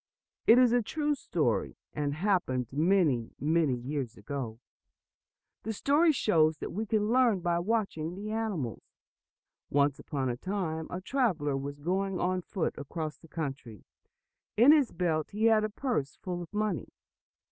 It is a true story, and happened many, many years ago. The story shows what we can learn by watching the animals. Once upon a time, a traveler was going on foot across the country. In his belt he had a purse full of money.